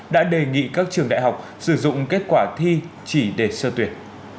đã đề nghị các trường đại học sử dụng kết quả thi chỉ để sơ tuyển